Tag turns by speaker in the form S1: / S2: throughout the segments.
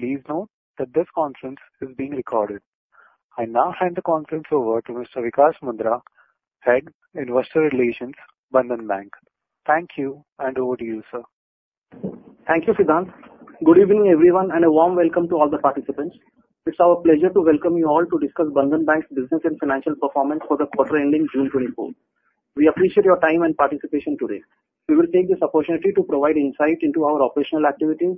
S1: Please note that this conference is being recorded. I now hand the conference over to Mr. Vikas Mundra, Head, Investor Relations, Bandhan Bank. Thank you, and over to you, sir.
S2: Thank you, Sujan. Good evening, everyone, and a warm welcome to all the participants. It's our pleasure to welcome you all to discuss Bandhan Bank's business and financial performance for the quarter ending June 2024. We appreciate your time and participation today. We will take this opportunity to provide insight into our operational activities,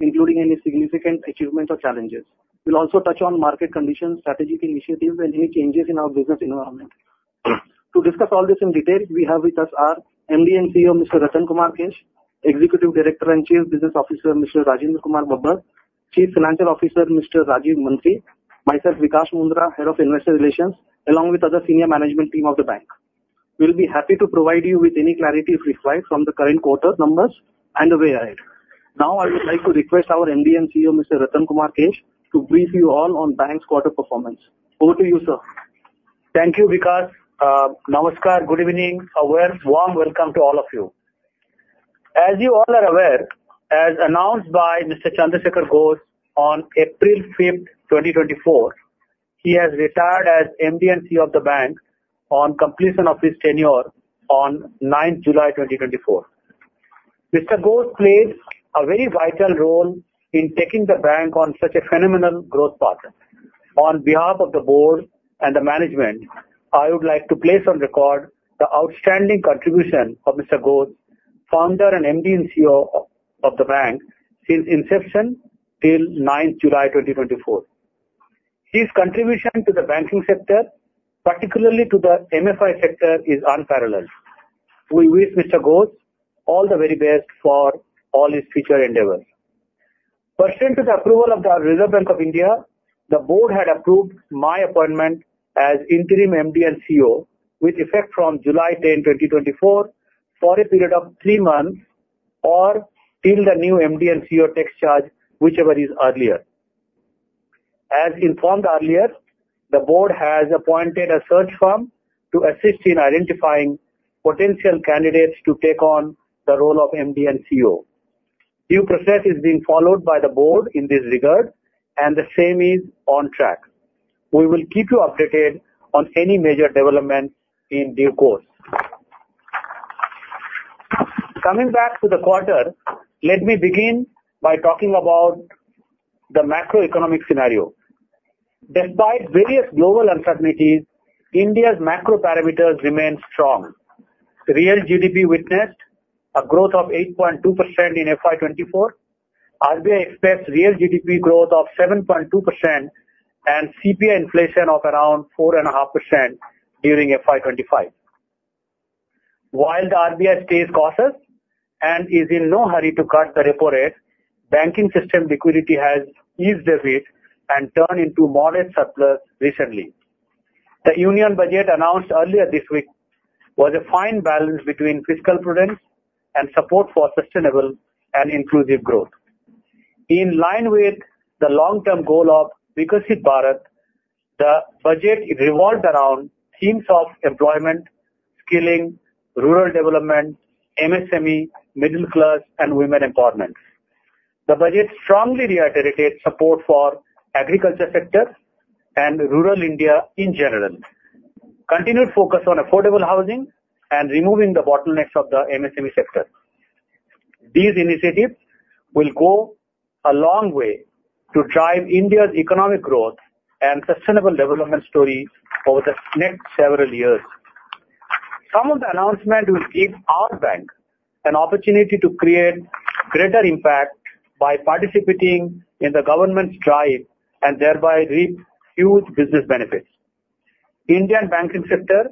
S2: including any significant achievements or challenges. We'll also touch on market conditions, strategic initiatives, and any changes in our business environment. To discuss all this in detail, we have with us our MD and CEO, Mr. Ratan Kumar Kesh, Executive Director and Chief Business Officer, Mr. Rajinder Kumar Babbar, Chief Financial Officer, Mr. Rajeev Mantri, myself, Vikas Mundra, Head of Investor Relations, along with other senior management team of the bank. We'll be happy to provide you with any clarity if required from the current quarter numbers and the way ahead. Now, I would like to request our MD and CEO, Mr. Ratan Kumar Kesh, to brief you all on the bank's quarter performance. Over to you, sir.
S3: Thank you, Vikas. Namaskar, good evening, a warm welcome to all of you. As you all are aware, as announced by Mr. Chandrasekhar Ghosh on April 5, 2024, he has retired as MD and CEO of the bank on completion of his tenure on 9 July 2024. Mr. Ghosh played a very vital role in taking the bank on such a phenomenal growth path. On behalf of the board and the management, I would like to place on record the outstanding contribution of Mr. Ghosh, founder and MD and CEO of the bank, since inception till 9 July 2024. His contribution to the banking sector, particularly to the MFI sector, is unparalleled. We wish Mr. Ghosh all the very best for all his future endeavors. Pursuant to the approval of the Reserve Bank of India, the board had approved my appointment as interim MD and CEO with effect from July 10, 2024, for a period of three months or till the new MD and CEO takes charge, whichever is earlier. As informed earlier, the board has appointed a search firm to assist in identifying potential candidates to take on the role of MD and CEO. Due process is being followed by the board in this regard, and the same is on track. We will keep you updated on any major developments in due course. Coming back to the quarter, let me begin by talking about the macroeconomic scenario. Despite various global uncertainties, India's macro parameters remain strong. Real GDP witnessed a growth of 8.2% in FY 24. RBI expects real GDP growth of 7.2% and CPI inflation of around 4.5% during FY 25. While the RBI stays cautious and is in no hurry to cut the repo rate, banking system liquidity has eased a bit and turned into moderate surplus recently. The Union Budget announced earlier this week was a fine balance between fiscal prudence and support for sustainable and inclusive growth. In line with the long-term goal of Viksit Bharat, the budget revolved around themes of employment, skilling, rural development, MSME, middle class, and women empowerment. The budget strongly reiterates support for the agriculture sector and rural India in general. Continued focus on affordable housing and removing the bottlenecks of the MSME sector. These initiatives will go a long way to drive India's economic growth and sustainable development story over the next several years. Some of the announcements will give our bank an opportunity to create greater impact by participating in the government's drive and thereby reap huge business benefits. The Indian banking sector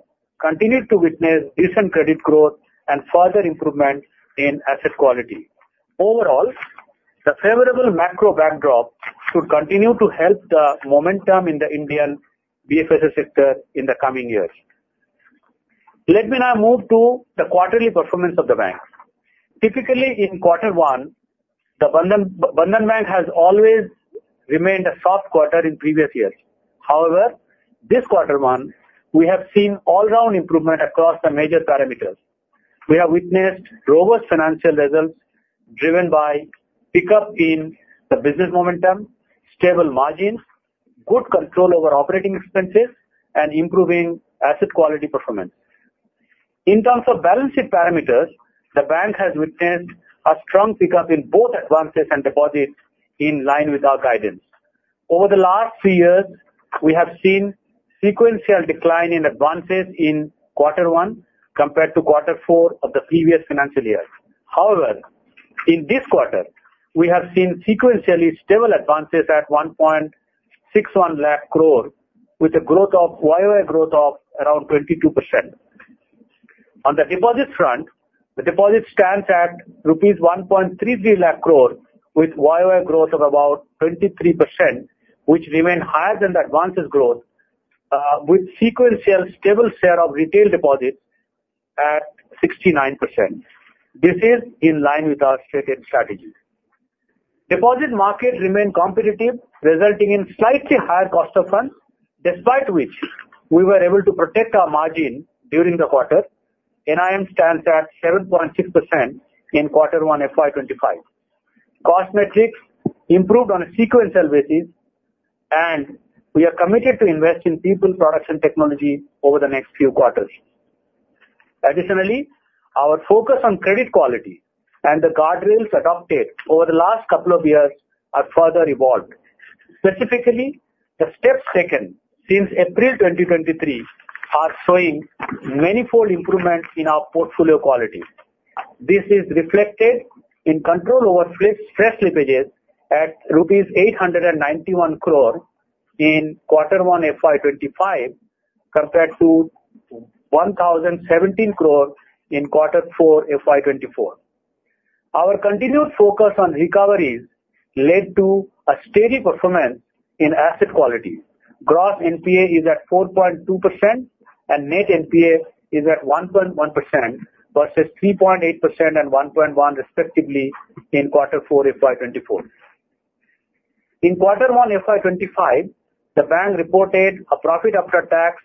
S3: continued to witness decent credit growth and further improvement in asset quality. Overall, the favorable macro backdrop should continue to help the momentum in the Indian BFSI sector in the coming years. Let me now move to the quarterly performance of the bank. Typically, in quarter one, the Bandhan Bank has always remained a soft quarter in previous years. However, this quarter one, we have seen all-round improvement across the major parameters. We have witnessed robust financial results driven by pickup in the business momentum, stable margins, good control over operating expenses, and improving asset quality performance. In terms of balance sheet parameters, the bank has witnessed a strong pickup in both advances and deposits in line with our guidance. Over the last few years, we have seen a sequential decline in advances in quarter one compared to quarter four of the previous financial year. However, in this quarter, we have seen sequentially stable advances at 161,000 crore, with a growth of YOY growth of around 22%. On the deposits front, the deposits stand at rupees 133,000 crore, with YOY growth of about 23%, which remained higher than the advances growth, with a sequential stable share of retail deposits at 69%. This is in line with our stated strategy. The deposit market remained competitive, resulting in slightly higher cost of funds, despite which we were able to protect our margin during the quarter. NIM stands at 7.6% in quarter one FY 2025. Cost metrics improved on a sequential basis, and we are committed to investing in people, products, and technology over the next few quarters. Additionally, our focus on credit quality and the guardrails adopted over the last couple of years have further evolved. Specifically, the steps taken since April 2023 are showing manifold improvements in our portfolio quality. This is reflected in control over fresh slippages at rupees 891 crore in quarter one FY 25 compared to 1,017 crore in quarter four FY 24. Our continued focus on recoveries led to a steady performance in asset quality. Gross NPA is at 4.2%, and net NPA is at 1.1% versus 3.8% and 1.1%, respectively, in quarter four FY 24. In quarter one FY 25, the bank reported a profit after tax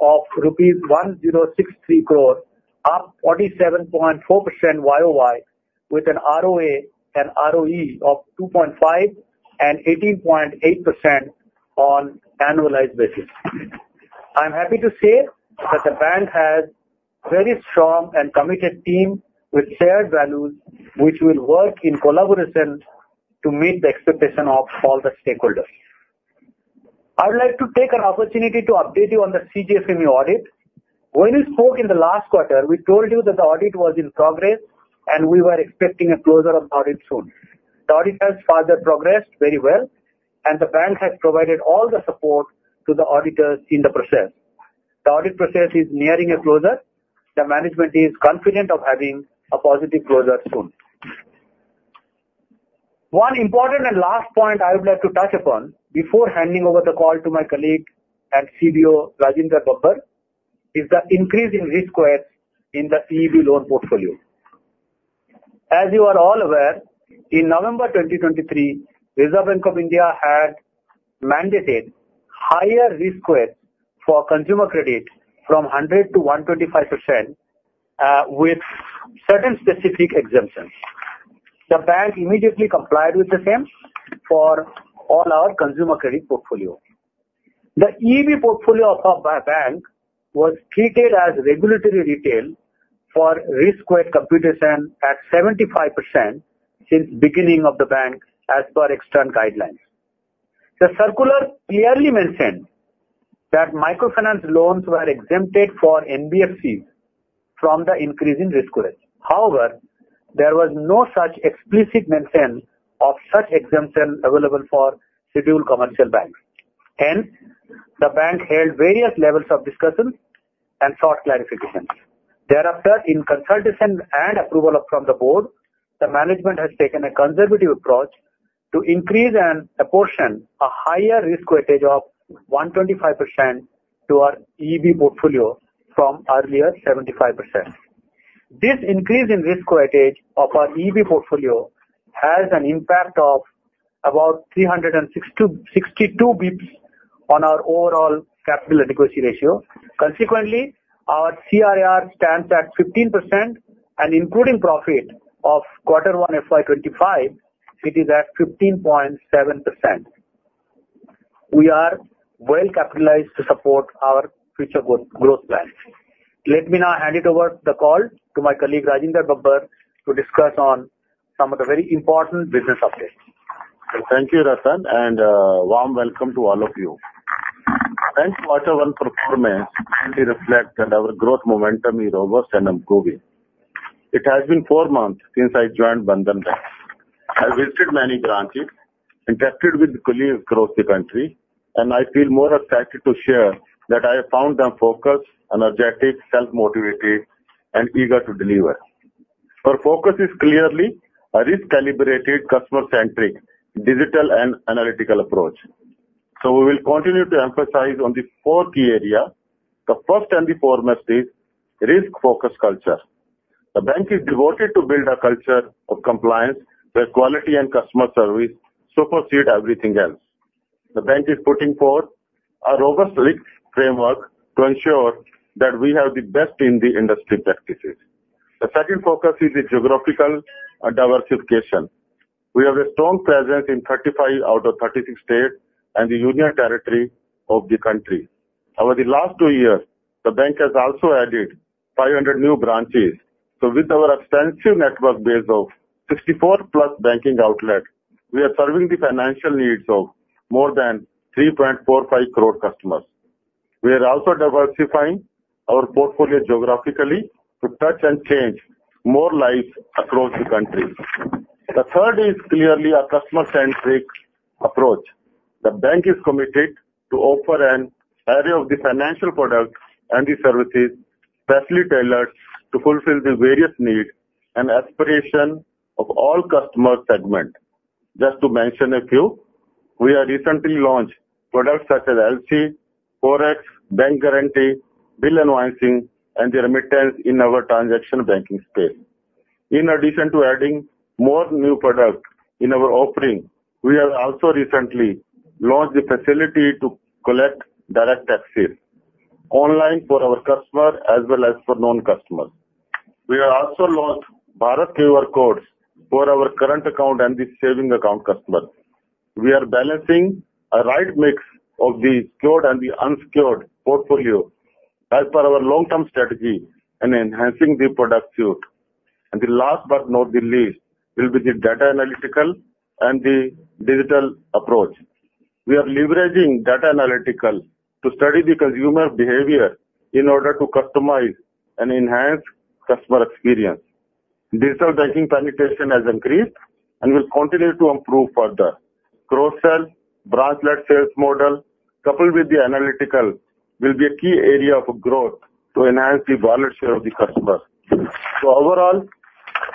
S3: of rupees 1,063 crore, up 47.4% YOY, with an ROA and ROE of 2.5% and 18.8% on annualized basis. I'm happy to say that the bank has a very strong and committed team with shared values, which will work in collaboration to meet the expectation of all the stakeholders. I would like to take an opportunity to update you on the CGFMU audit. When we spoke in the last quarter, we told you that the audit was in progress, and we were expecting a closure of the audit soon. The audit has further progressed very well, and the bank has provided all the support to the auditors in the process. The audit process is nearing a closure. The management is confident of having a positive closure soon. One important and last point I would like to touch upon before handing over the call to my colleague and CBO, Rajinder Babbar, is the increase in risk weights in the EEB loan portfolio. As you are all aware, in November 2023, the Reserve Bank of India had mandated higher risk weights for consumer credit from 100% to 125%, with certain specific exemptions. The bank immediately complied with the same for all our consumer credit portfolio. The EEB portfolio of our bank was treated as regulatory retail for risk weight computation at 75% since the beginning of the bank, as per external guidelines. The circular clearly mentioned that microfinance loans were exempted for NBFCs from the increase in risk weights. However, there was no such explicit mention of such exemption available for scheduled commercial banks. Hence, the bank held various levels of discussion and sought clarification. Thereafter, in consultation and approval from the board, the management has taken a conservative approach to increase and apportion a higher risk weightage of 125% to our EEB portfolio from earlier 75%. This increase in risk weightage of our EEB portfolio has an impact of about 362 basis points on our overall capital equity ratio. Consequently, our CRAR stands at 15%, and including profit of quarter one FY 2025, it is at 15.7%. We are well capitalized to support our future growth plans. Let me now hand over the call to my colleague, Rajinder Babbar, to discuss some of the very important business updates.
S4: Thank you, Ratan, and a warm welcome to all of you. Hence, quarter one performance clearly reflects that our growth momentum is robust and improving. It has been four months since I joined Bandhan Bank. I've visited many branches, interacted with colleagues across the country, and I feel more excited to share that I have found them focused, energetic, self-motivated, and eager to deliver. Our focus is clearly a risk-calibrated, customer-centric, digital and analytical approach. So we will continue to emphasize on the four key areas. The first and the foremost is risk-focused culture. The bank is devoted to building a culture of compliance where quality and customer service supersede everything else. The bank is putting forth a robust risk framework to ensure that we have the best in the industry practices. The second focus is geographical diversification. We have a strong presence in 35 out of 36 states and the union territory of the country. Over the last two years, the bank has also added 500 new branches. So with our extensive network base of 64+ banking outlets, we are serving the financial needs of more than 3.45 crore customers. We are also diversifying our portfolio geographically to touch and change more lives across the country. The third is clearly a customer-centric approach. The bank is committed to offer an array of financial products and services specially tailored to fulfill the various needs and aspirations of all customer segments. Just to mention a few, we have recently launched products such as LC, Forex, bank guarantee, bill discounting, and the remittance in our transaction banking space. In addition to adding more new products in our offering, we have also recently launched the facility to collect direct taxes online for our customers as well as for non-customers. We have also launched Bharat QR codes for our current account and the savings account customers. We are balancing a right mix of the secured and the unsecured portfolio as per our long-term strategy and enhancing the product suite. The last but not the least will be the data analytics and the digital approach. We are leveraging data analytics to study the consumer behavior in order to customize and enhance customer experience. Digital banking penetration has increased and will continue to improve further. Cross-sell branch-led sales model, coupled with the analytics, will be a key area of growth to enhance the value share of the customer. So overall,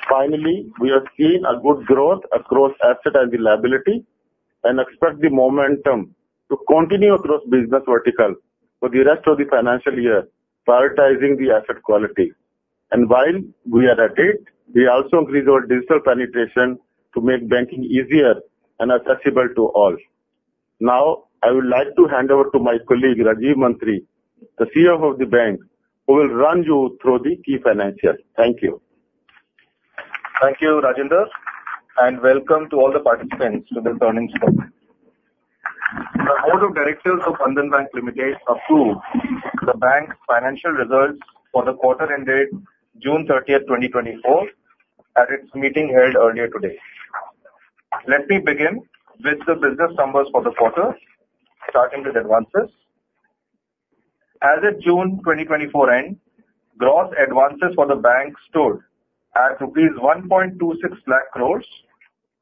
S4: finally, we have seen good growth across asset and liability and expect the momentum to continue across business verticals for the rest of the financial year, prioritizing the asset quality. And while we are at it, we also increased our digital penetration to make banking easier and accessible to all. Now, I would like to hand over to my colleague, Rajeev Mantri, the CFO of the bank, who will run you through the key financials. Thank you.
S5: Thank you, Rajinder, and welcome to all the participants to this learning session. The board of directors of Bandhan Bank Limited approved the bank's financial results for the quarter ended June 30, 2024, at its meeting held earlier today. Let me begin with the business numbers for the quarter, starting with advances. As of June 2024, gross advances for the bank stood at rupees 126,000 crore,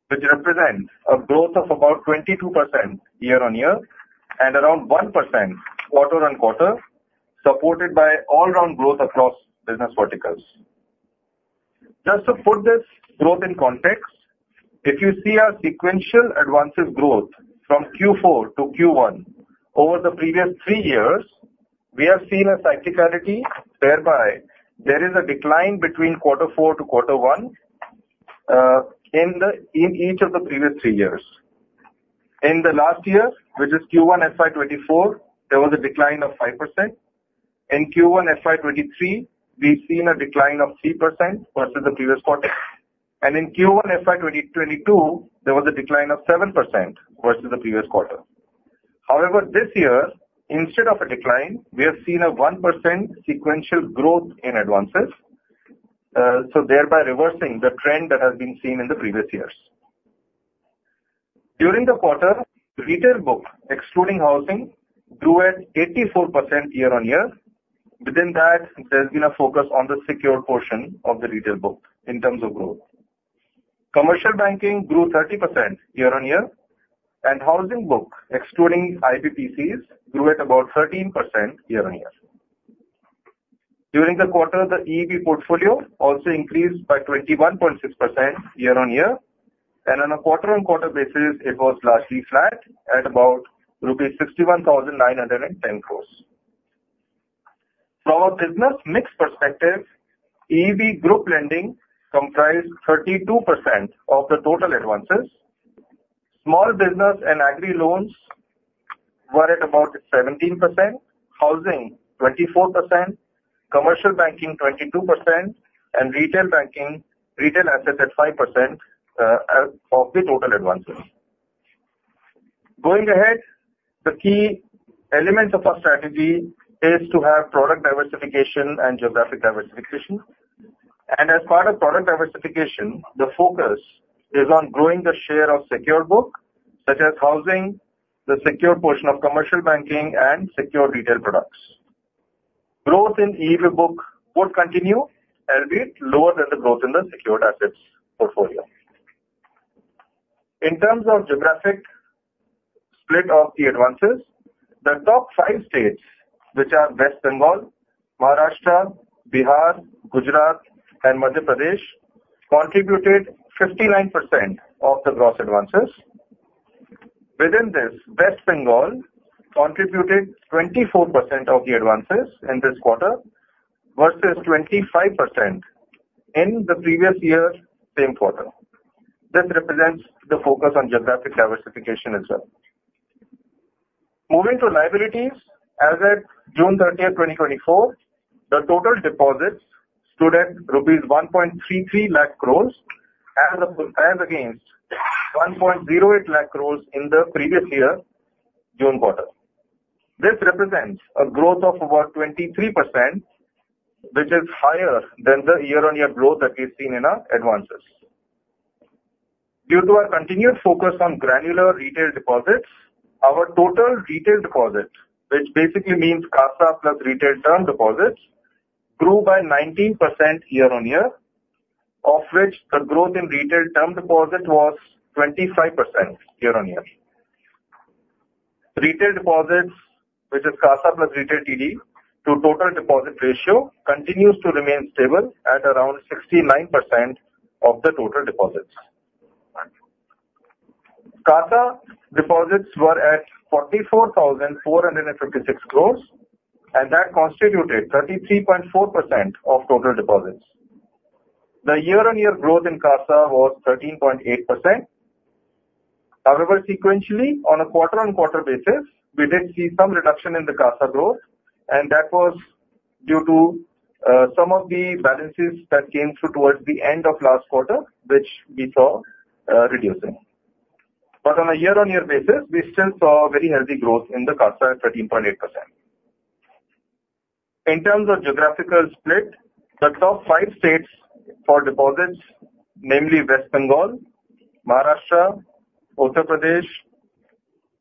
S5: which represents a growth of about 22% year-on-year and around 1% quarter-on-quarter, supported by all-round growth across business verticals. Just to put this growth in context, if you see our sequential advances growth from Q4 to Q1 over the previous three years, we have seen a cyclicality whereby there is a decline between quarter four to quarter one in each of the previous three years. In the last year, which is Q1 FY 2024, there was a decline of 5%. In Q1 FY2023, we've seen a decline of 3% versus the previous quarter. In Q1 FY2022, there was a decline of 7% versus the previous quarter. However, this year, instead of a decline, we have seen a 1% sequential growth in advances, thereby reversing the trend that has been seen in the previous years. During the quarter, retail book, excluding housing, grew at 84% year-on-year. Within that, there has been a focus on the secured portion of the retail book in terms of growth. Commercial banking grew 30% year-on-year, and housing book, excluding IBPCs, grew at about 13% year-on-year. During the quarter, the EEB portfolio also increased by 21.6% year-on-year. On a quarter-on-quarter basis, it was largely flat at about rupees 61,910 crore. From a business mix perspective, EEB group lending comprised 32% of the total advances. Small business and agri loans were at about 17%, housing 24%, commercial banking 22%, and retail banking, retail assets at 5% of the total advances. Going ahead, the key elements of our strategy are to have product diversification and geographic diversification. As part of product diversification, the focus is on growing the share of secured book, such as housing, the secured portion of commercial banking, and secured retail products. Growth in EEB book would continue, albeit lower than the growth in the secured assets portfolio. In terms of geographic split of the advances, the top five states, which are West Bengal, Maharashtra, Bihar, Gujarat, and Madhya Pradesh, contributed 59% of the gross advances. Within this, West Bengal contributed 24% of the advances in this quarter versus 25% in the previous year's same quarter. This represents the focus on geographic diversification as well. Moving to liabilities, as of June 30, 2024, the total deposits stood at rupees 133,000 crore as against 108,000 crore in the previous year's June quarter. This represents a growth of about 23%, which is higher than the year-on-year growth that we've seen in our advances. Due to our continued focus on granular retail deposits, our total retail deposit, which basically means CASA plus retail term deposits, grew by 19% year-on-year, of which the growth in retail term deposit was 25% year-on-year. Retail deposits, which is CASA plus retail TD to total deposit ratio, continues to remain stable at around 69% of the total deposits. CASA deposits were at 44,456 crore, and that constituted 33.4% of total deposits. The year-on-year growth in CASA was 13.8%. However, sequentially, on a quarter-on-quarter basis, we did see some reduction in the CASA growth, and that was due to some of the balances that came through towards the end of last quarter, which we saw reducing. But on a year-on-year basis, we still saw very heavy growth in the CASA at 13.8%. In terms of geographical split, the top five states for deposits, namely West Bengal, Maharashtra, Uttar Pradesh,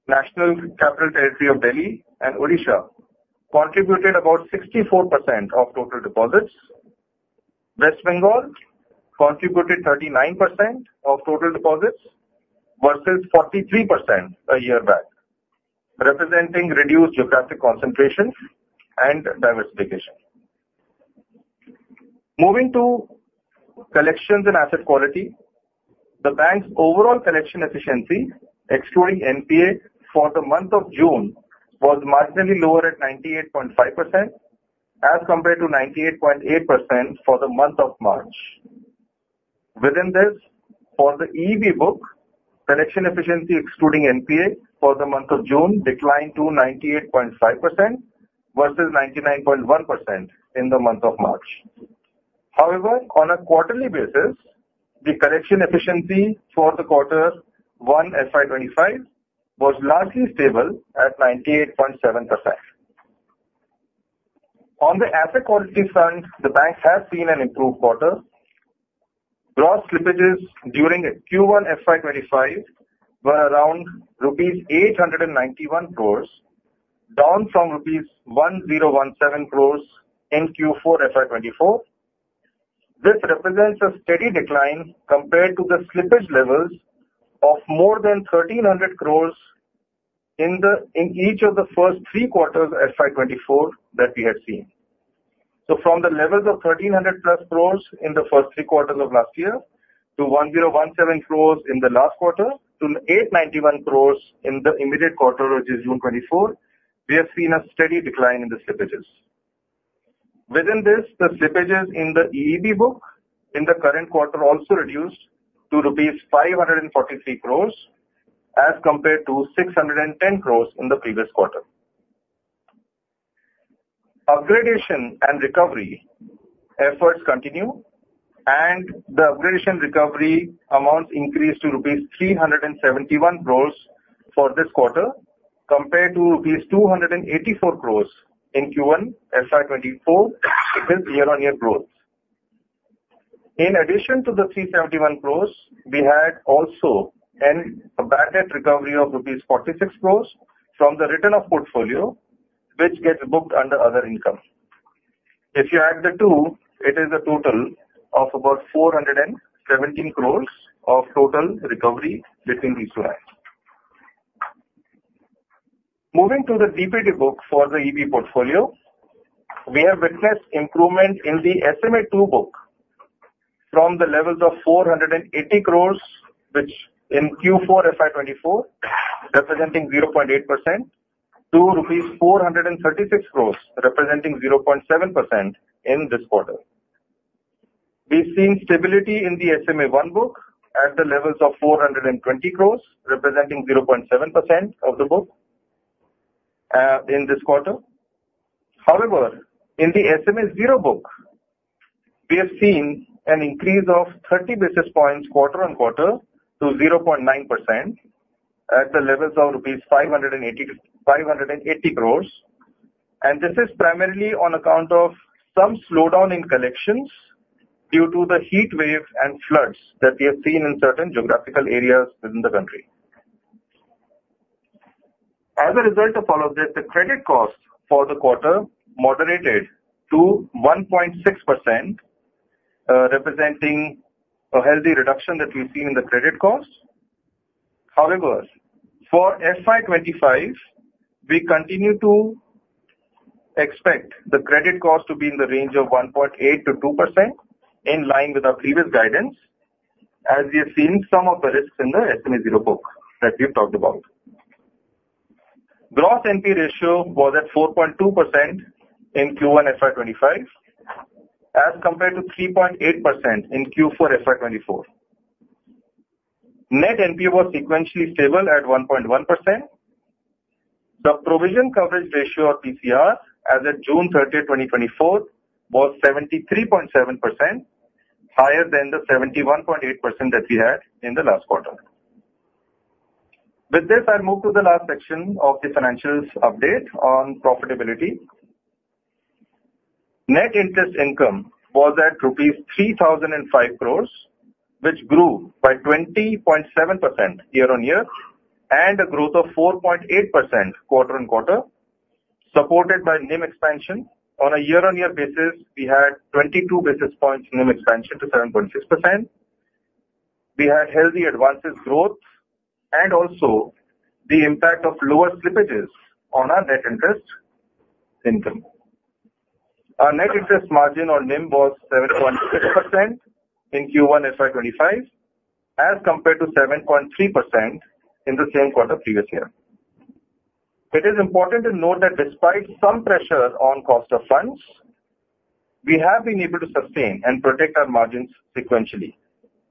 S5: National Capital Territory of Delhi, and Odisha, contributed about 64% of total deposits. West Bengal contributed 39% of total deposits versus 43% a year back, representing reduced geographic concentration and diversification. Moving to collections and asset quality, the bank's overall collection efficiency, excluding NPA, for the month of June was marginally lower at 98.5% as compared to 98.8% for the month of March. Within this, for the EEB book, collection efficiency, excluding NPA, for the month of June declined to 98.5% versus 99.1% in the month of March. However, on a quarterly basis, the collection efficiency for the quarter one FY 25 was largely stable at 98.7%. On the asset quality front, the bank has seen an improved quarter. Gross slippages during Q1 FY 25 were around rupees 891 crore, down from rupees 1,017 crore in Q4 FY 24. This represents a steady decline compared to the slippage levels of more than 1,300 crore in each of the first three quarters of FY 24 that we had seen. So from the levels of 1,300 crore in the first three quarters of last year to 1,017 crore in the last quarter to 891 crore in the immediate quarter, which is June 2024, we have seen a steady decline in the slippages. Within this, the slippages in the EEB book in the current quarter also reduced to rupees 543 crore as compared to 610 crore in the previous quarter. Upgradation and recovery efforts continue, and the upgradation recovery amounts increased to rupees 371 crore for this quarter compared to rupees 284 crore in Q1 FY 2024. This is year-on-year growth. In addition to the 371 crore, we had also a banded recovery of rupees 46 crore from the return of portfolio, which gets booked under other income. If you add the two, it is a total of about 417 crore of total recovery between these two. Moving to the DPD book for the EEB portfolio, we have witnessed improvement in the SMA II book from the levels of 480 crore, which in Q4 FY 2024 representing 0.8%, to rupees 436 crore, representing 0.7% in this quarter. We've seen stability in the SMA I book at the levels of 420 crore, representing 0.7% of the book in this quarter. However, in the SMA I book, we have seen an increase of 30 basis points quarter-on-quarter to 0.9% at the levels of rupees 580 crore. This is primarily on account of some slowdown in collections due to the heat waves and floods that we have seen in certain geographical areas within the country. As a result of all of this, the credit cost for the quarter moderated to 1.6%, representing a healthy reduction that we've seen in the credit cost. However, for FY 2025, we continue to expect the credit cost to be in the range of 1.8%-2%, in line with our previous guidance, as we have seen some of the risks in the SMA II book that we've talked about. Gross NPA ratio was at 4.2% in Q1 FY 2025 as compared to 3.8% in Q4 FY 2024. Net NPA was sequentially stable at 1.1%. The provision coverage ratio of PCR, as of June 30, 2024, was 73.7%, higher than the 71.8% that we had in the last quarter. With this, I'll move to the last section of the financials update on profitability. Net interest income was at rupees 3,005 crore, which grew by 20.7% year-on-year and a growth of 4.8% quarter-on-quarter, supported by NIM expansion. On a year-on-year basis, we had 22 basis points NIM expansion to 7.6%. We had healthy advances growth and also the impact of lower slippages on our net interest income. Our net interest margin on NIM was 7.6% in Q1 FY 2025 as compared to 7.3% in the same quarter previous year. It is important to note that despite some pressure on cost of funds, we have been able to sustain and protect our margins sequentially,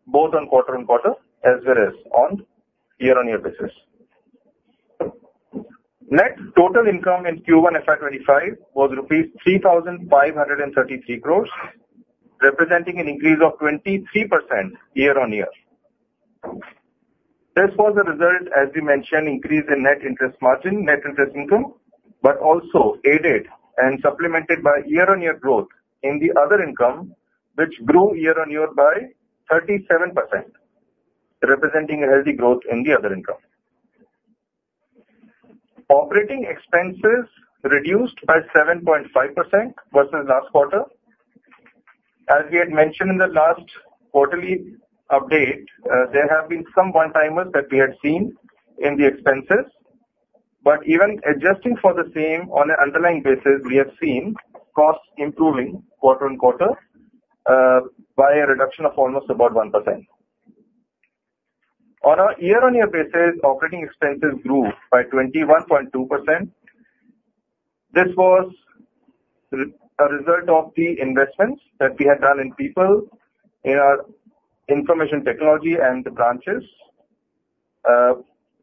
S5: both on quarter-on-quarter as well as on year-on-year basis. Net total income in Q1 FY 2025 was rupees 3,533 crore, representing an increase of 23% year-on-year. This was a result, as we mentioned, increase in net interest margin, net interest income, but also aided and supplemented by year-on-year growth in the other income, which grew year-on-year by 37%, representing a healthy growth in the other income. Operating expenses reduced by 7.5% versus last quarter. As we had mentioned in the last quarterly update, there have been some one-timers that we had seen in the expenses. But even adjusting for the same on an underlying basis, we have seen costs improving quarter-on-quarter by a reduction of almost about 1%. On a year-on-year basis, operating expenses grew by 21.2%. This was a result of the investments that we had done in people, in our information technology, and the branches.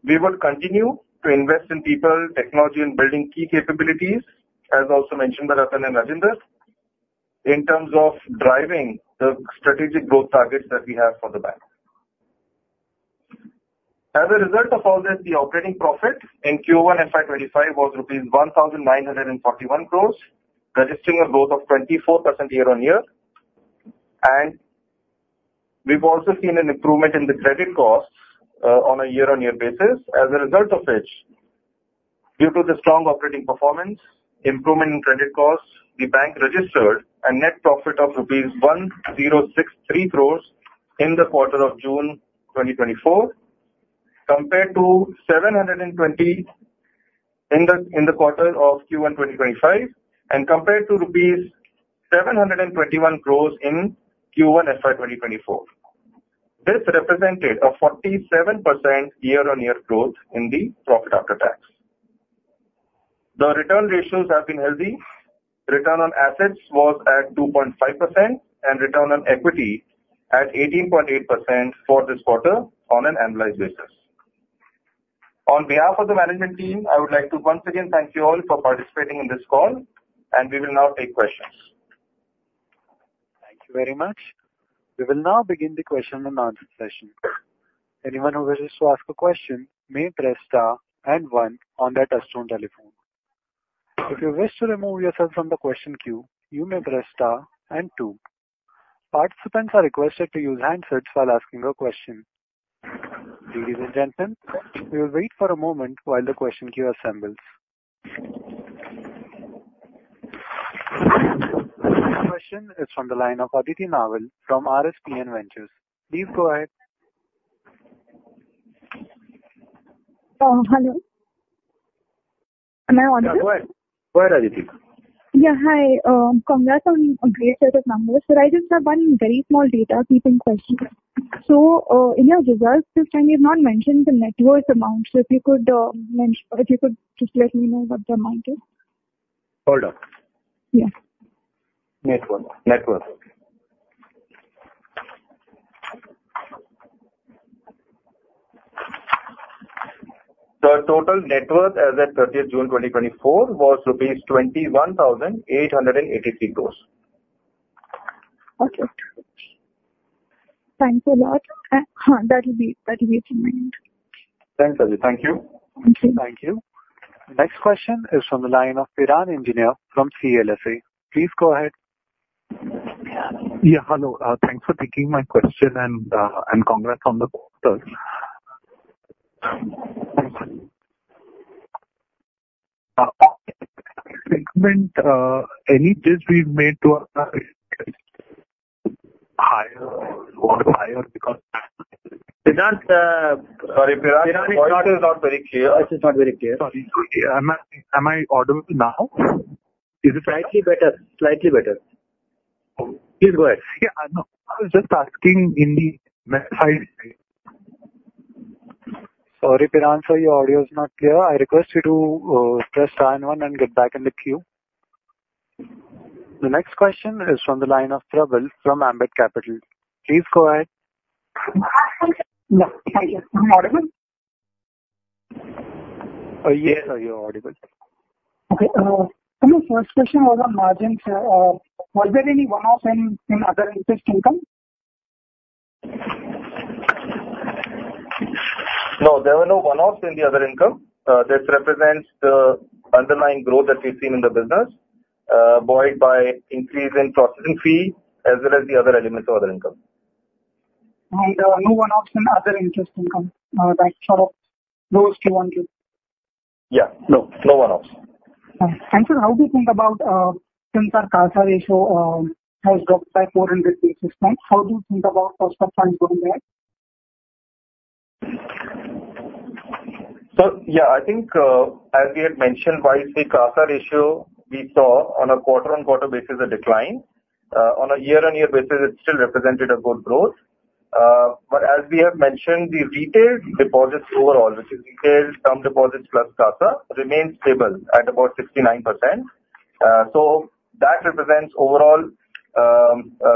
S5: We would continue to invest in people, technology, and building key capabilities, as also mentioned by Ratan and Rajinder, in terms of driving the strategic growth targets that we have for the bank. As a result of all this, the operating profit in Q1 FY25 was rupees 1,941 crore, registering a growth of 24% year-on-year. We've also seen an improvement in the credit costs on a year-on-year basis, as a result of which, due to the strong operating performance, improvement in credit costs, the bank registered a net profit of rupees 1,063 crore in the quarter of June 2024, compared to 720 in the quarter of Q1 2025 and compared to rupees 721 crore in Q1 FY 2024. This represented a 47% year-on-year growth in the profit after tax. The return ratios have been healthy. Return on assets was at 2.5% and return on equity at 18.8% for this quarter on an annualized basis. On behalf of the management team, I would like to once again thank you all for participating in this call, and we will now take questions. Thank you very much. We will now begin the question and answer session. Anyone who wishes to ask a question may press star and one on their touch-tone telephone. If you wish to remove yourself from the question queue, you may press star and two. Participants are requested to use handsets while asking a question.
S1: Ladies and gentlemen, we will wait for a moment while the question queue assembles. The next question is from the line of Aditi Naval from RSPN Ventures. Please go ahead. Hello.
S6: Can I answer?
S2: Go ahead, Aditi.
S6: Yeah, hi. Congrats on a great set of numbers. But I just have one very small data keeping question. So in your results, this time you've not mentioned the net worth amount. So if you could just let me know what the amount is.
S5: Hold on.
S6: Yeah.
S5: Net worth. Net worth. The total net worth as of 30th June 2024 was rupees 21,883 crore.
S6: Okay. Thank you a lot. That'll be it from my end.
S1: Thanks, Aditi. Thank you. Thank you. Next question is from the line of Piran Engineer from CLSA. Please go ahead.
S7: Yeah, hello. Thanks for taking my question and congrats on the quarter. Any dig we've made to our higher or higher because Piran is not very clear.
S3: Piran is not very clear.
S7: Sorry. Am I audible now?
S3: Is it? Slightly better. Slightly better. Please go ahead.
S7: Yeah, no. I was just asking in the side.
S1: Sorry, Piran sir, your audio is not clear. I request you to press star and one and get back in the queue. The next question is from the line of Prabal from Ambit Capital. Please go ahead.
S8: No, thank you. I'm audible?
S3: Yes, sir, you're audible.
S8: Okay. My first question was on margins. Was there any one-off in other interest income?
S3: No, there were no one-offs in the other income. This represents the underlying growth that we've seen in the business, brought by increase in processing fee as well as the other elements of other income.
S8: And no one-offs in other interest income that sort of goes to 100?
S5: Yeah. No, no one-offs.
S8: Thanks. And how do you think about since our CASA ratio has dropped by 400 basis points, how do you think about cost of funds going back?
S5: So, yeah, I think as we had mentioned, while the CASA ratio we saw on a quarter-on-quarter basis a decline. On a year-on-year basis, it still represented a good growth. But as we have mentioned, the retail deposits overall, which is retail term deposits plus CASA, remains stable at about 69%. So that represents overall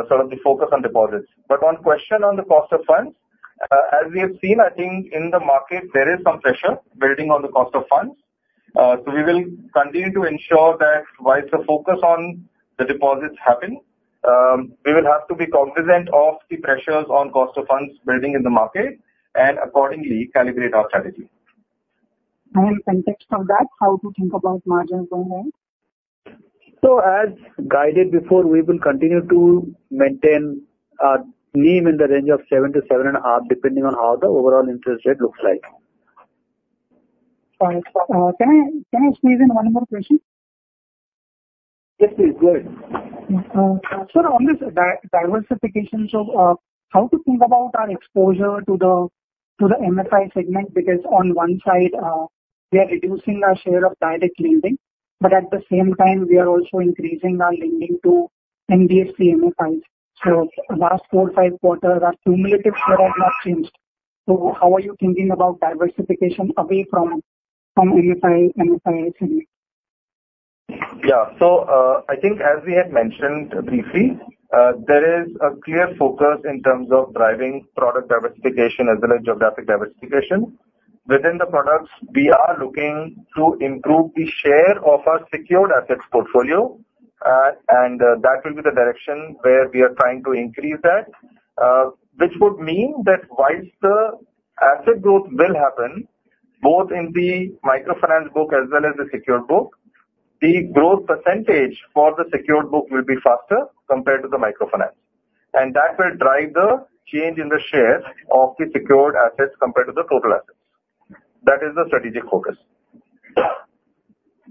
S5: sort of the focus on deposits. But one question on the cost of funds. As we have seen, I think in the market, there is some pressure building on the cost of funds. So we will continue to ensure that while the focus on the deposits happens, we will have to be cognizant of the pressures on cost of funds building in the market and accordingly calibrate our strategy.
S8: And context of that, how to think about margins going back?
S5: So as guided before, we will continue to maintain our NIM in the range of 7%-7.5%, depending on how the overall interest rate looks like.
S8: Can I squeeze in one more question?
S3: Yes, please. Go ahead.
S8: Sir, on this diversification, so how to think about our exposure to the MFI segment? Because on one side, we are reducing our share of direct lending, but at the same time, we are also increasing our lending to NBFC MFIs. So last 4 quarters, 5 quarters, our cumulative share has not changed. So how are you thinking about diversification away from MF I segment?
S3: Yeah. So I think as we had mentioned briefly, there is a clear focus in terms of driving product diversification as well as geographic diversification. Within the products, we are looking to improve the share of our secured assets portfolio, and that will be the direction where we are trying to increase that, which would mean that while the asset growth will happen both in the microfinance book as well as the secured book, the growth percentage for the secured book will be faster compared to the microfinance. And that will drive the change in the share of the secured assets compared to the total assets. That is the strategic focus.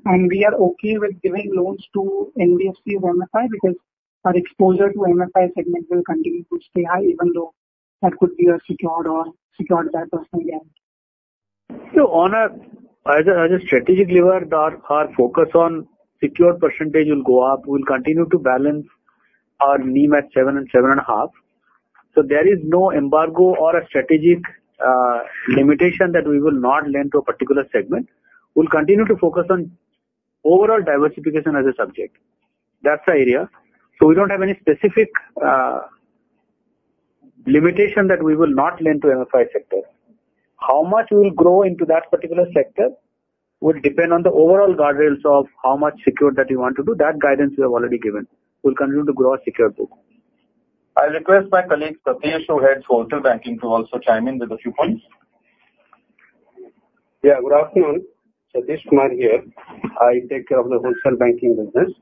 S8: And we are okay with giving loans to NBFC MFI because our exposure to MFI segment will continue to stay high, even though that could be a secured or secured by personal guarantee.
S5: So as a strategic lever, our focus on secured percentage will go up. We'll continue to balance our NIM at 7%-7.5%. So there is no embargo or a strategic limitation that we will not lend to a particular segment. We'll continue to focus on overall diversification as a subject. That's the area. So we don't have any specific limitation that we will not lend to MFI sector. How much we'll grow into that particular sector will depend on the overall guardrails of how much secured that we want to do. That guidance we have already given. We'll continue to grow our secured book. I request my colleague Satish, who heads wholesale banking, to also chime in with a few points.
S9: Yeah. Good afternoon. Satish Kumar here. I take care of the wholesale banking business.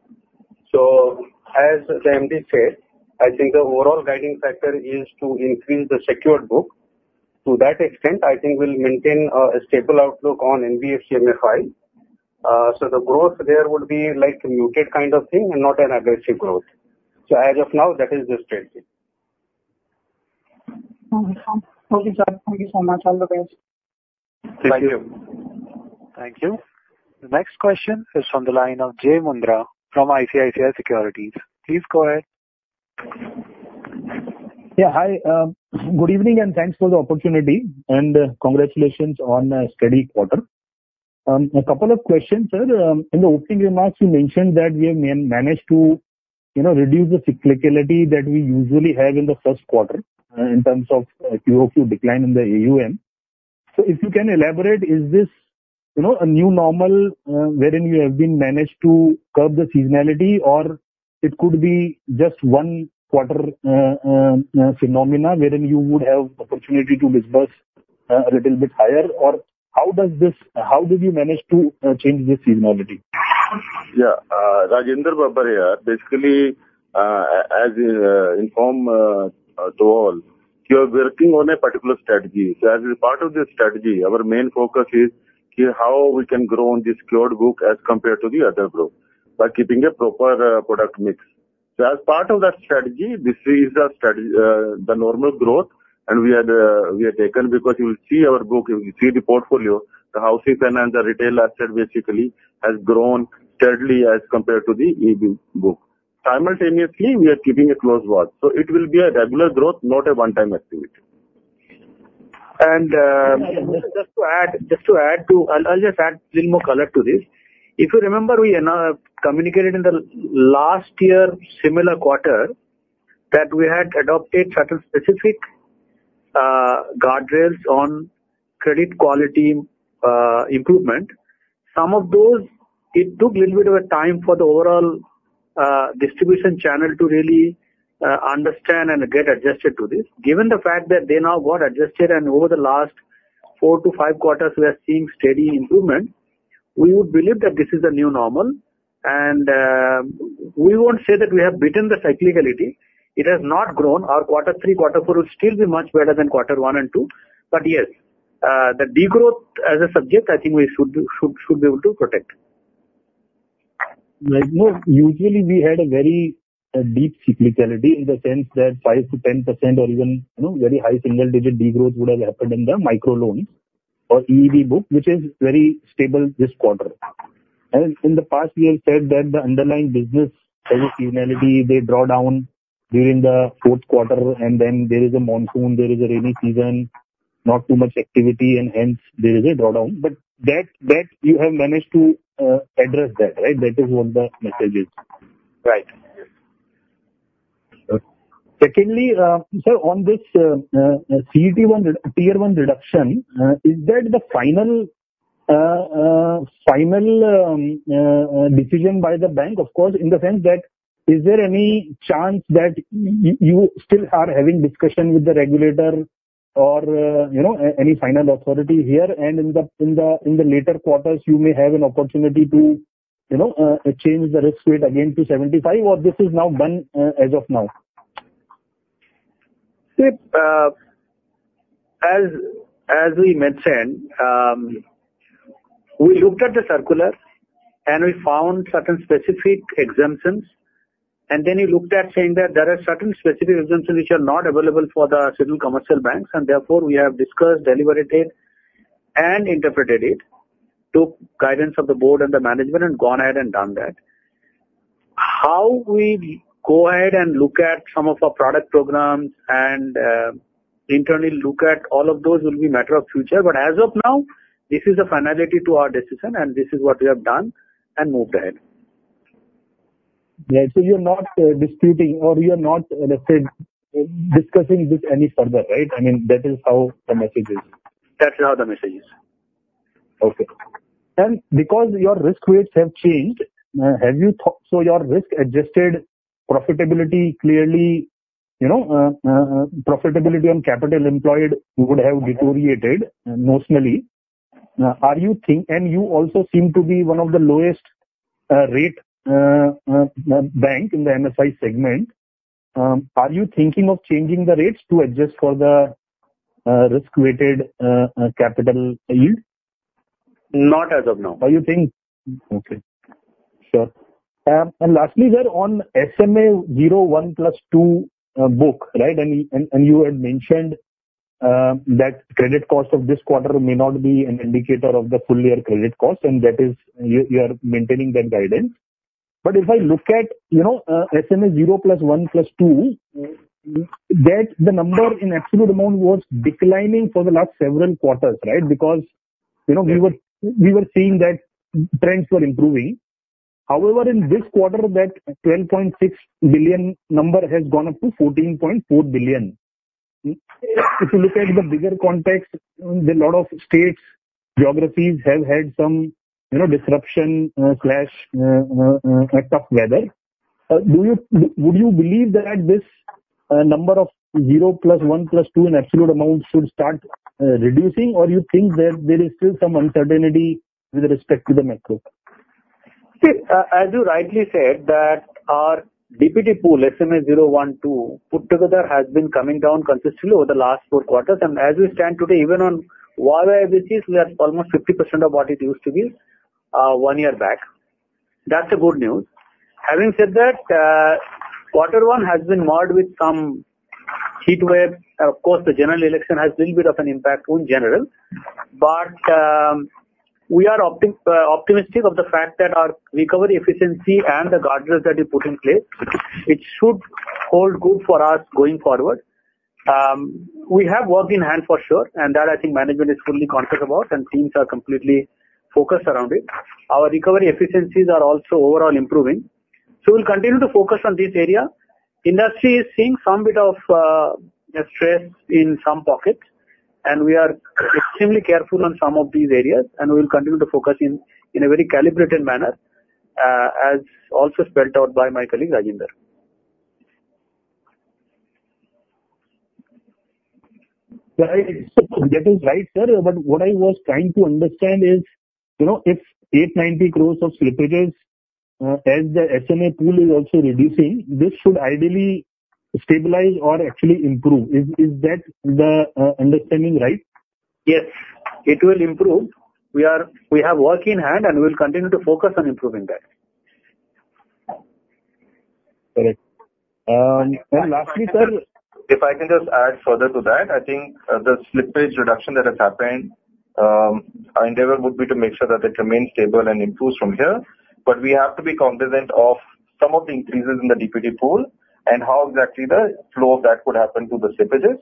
S9: So as the MD said, I think the overall guiding factor is to increase the secured book. To that extent, I think we'll maintain a stable outlook on unsecured MFI. So the growth there would be like a muted kind of thing and not an aggressive growth. So as of now, that is the strategy.
S8: Thank you, sir. Thank you so much. All the best.
S3: Thank you.
S1: Thank you. The next question is from the line of Jay Mundra from ICICI Securities. Please go ahead.
S10: Yeah. Hi. Good evening and thanks for the opportunity and congratulations on a steady quarter. A couple of questions, sir. In the opening remarks, you mentioned that we have managed to reduce the cyclicality that we usually have in the first quarter in terms of QOQ decline in the AUM. So if you can elaborate, is this a new normal wherein you have been managed to curb the seasonality, or it could be just one quarter phenomena wherein you would have opportunity to disburse a little bit higher?
S5: Or, how did you manage to change this seasonality?
S4: Yeah. Rajinder Babbar here, basically, as informed to all, we are working on a particular strategy. So as a part of this strategy, our main focus is how we can grow on this secured book as compared to the other book by keeping a proper product mix. So as part of that strategy, this is the normal growth, and we have taken because you will see our book, you will see the portfolio, the housing finance, the retail asset basically has grown steadily as compared to the EEB book. Simultaneously, we are keeping a close watch. So it will be a regular growth, not a one-time activity.
S3: And just to add to, I'll just add a little more color to this. If you remember, we communicated in the last year similar quarter that we had adopted certain specific guardrails on credit quality improvement. Some of those, it took a little bit of a time for the overall distribution channel to really understand and get adjusted to this. Given the fact that they now got adjusted and over the last 4 to 5 quarters, we are seeing steady improvement, we would believe that this is a new normal. And we won't say that we have beaten the cyclicality. It has not grown. Our quarter three, quarter four will still be much better than quarter one and two. But yes, the degrowth as a subject, I think we should be able to protect.
S5: Usually, we had a very deep cyclicality in the sense that 5%-10% or even very high single-digit degrowth would have happened in the micro loans or EV book, which is very stable this quarter. In the past, we have said that the underlying business has a seasonality. They draw down during the fourth quarter, and then there is a monsoon, there is a rainy season, not too much activity, and hence there is a drawdown. But that you have managed to address that, right? That is what the message is.
S10: Right. Secondly, sir, on this CET1 Tier 1 reduction, is that the final decision by the bank, of course, in the sense that is there any chance that you still are having discussion with the regulator or any final authority here, and in the later quarters, you may have an opportunity to change the risk weight again to 75, or this is now done as of now?
S5: As we mentioned, we looked at the circular, and we found certain specific exemptions. Then we looked at saying that there are certain specific exemptions which are not available for the small finance banks, and therefore we have discussed, deliberated, and interpreted it to guidance of the board and the management and gone ahead and done that. How we go ahead and look at some of our product programs and internally look at all of those will be a matter of future. But as of now, this is a finality to our decision, and this is what we have done and moved ahead. Yeah. So you're not disputing or you're not discussing this any further, right? I mean, that is how the message is. That's how the message is.
S10: Okay. And because your risk weights have changed, have you thought so your risk-adjusted profitability clearly profitability on capital employed would have deteriorated notionally. And you also seem to be one of the lowest-rate bank in the MFI segment. Are you thinking of changing the rates to adjust for the risk-weighted capital yield?
S5: Not as of now.
S10: But you think.
S3: Okay. Sure.
S10: And lastly, sir, on SMA 0-1+ 2 book, right? And you had mentioned that credit cost of this quarter may not be an indicator of the full year credit cost, and that is you are maintaining that guidance. But if I look at SMA 0+, 1+, 2, that the number in absolute amount was declining for the last several quarters, right? Because we were seeing that trends were improving. However, in this quarter, that 12.6 billion number has gone up to 14.4 billion. If you look at the bigger context, a lot of states, geographies have had some disruption, tough weather. Would you believe that this number of 0+ 1+ 2 in absolute amount should start reducing, or you think that there is still some uncertainty with respect to the macro?
S5: As you rightly said, that our DPD pool, SMA 0, 1, 2, put together has been coming down consistently over the last four quarters. And as we stand today, even on YoY, which is almost 50% of what it used to be one year back, that's the good news. Having said that, quarter one has been marred with some heat wave. Of course, the general election has a little bit of an impact on general. But we are optimistic of the fact that our recovery efficiency and the guardrails that we put in place, it should hold good for us going forward. We have walked in hand for sure, and that I think management is fully conscious about, and teams are completely focused around it. Our recovery efficiencies are also overall improving. So we'll continue to focus on this area. Industry is seeing some bit of stress in some pockets, and we are extremely careful on some of these areas, and we will continue to focus in a very calibrated manner, as also spelled out by my colleague Rajinder.
S10: That is right, sir. But what I was trying to understand is if 890 growth of slippages as the SMA pool is also reducing, this should ideally stabilize or actually improve. Is that the understanding right? Yes.
S5: It will improve. We have work in hand, and we will continue to focus on improving that.
S4: Correct. And lastly, sir. If I can just add further to that, I think the slippage reduction that has happened, our endeavor would be to make sure that it remains stable and improves from here. But we have to be cognizant of some of the increases in the DPD pool and how exactly the flow of that could happen to the slippages.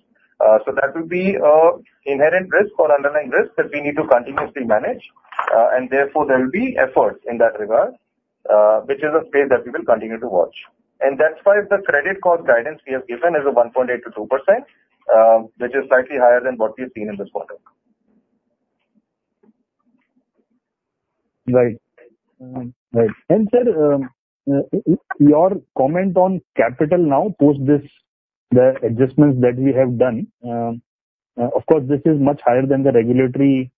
S4: So that would be an inherent risk or underlying risk that we need to continuously manage. And therefore, there will be efforts in that regard, which is a space that we will continue to watch. And that's why the credit cost guidance we have given is 1.8%-2%, which is slightly higher than what we have seen in this quarter.
S10: Right. And sir, your comment on capital now post the adjustments that we have done, of course, this is much higher than the regulatory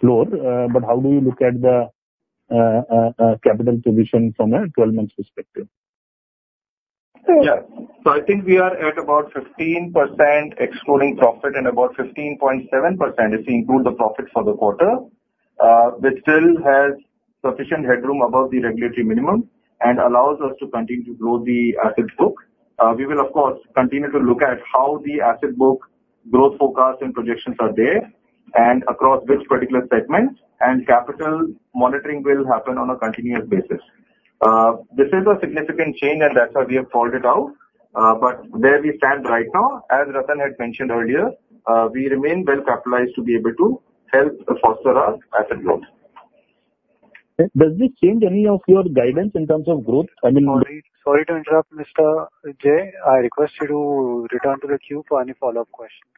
S10: floor. But how do you look at the capital position from a 12-month perspective?
S5: Yeah. So I think we are at about 15% excluding profit and about 15.7% if we include the profit for the quarter, which still has sufficient headroom above the regulatory minimum and allows us to continue to grow the asset book. We will, of course, continue to look at how the asset book growth forecasts and projections are there and across which particular segment, and capital monitoring will happen on a continuous basis.
S10: This is a significant change, and that's why we have called it out. But where we stand right now, as Ratan had mentioned earlier, we remain well capitalized to be able to help foster our asset growth. Does this change any of your guidance in terms of growth? I mean.
S1: Sorry to interrupt, Mr. Jay. I request you to return to the queue for any follow-up questions.